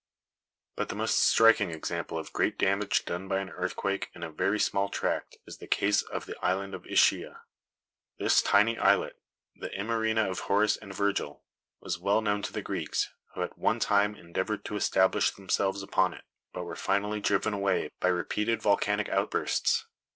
But the most striking example of great damage done by an earthquake in a very small tract is the case of the island of Ischia. This tiny islet, the Imarina of Horace and Virgil, was well known to the Greeks, who at one time endeavored to establish themselves upon it, but were finally driven away by repeated volcanic outbursts.